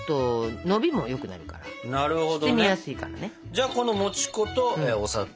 じゃあこのもち粉とお砂糖。